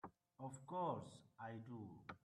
Of course I do!